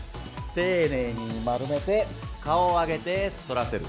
丁寧に丸めて顔を上げて反らせる。